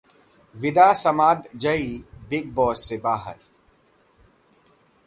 विदा Samadzai Bigg Boss से बाहर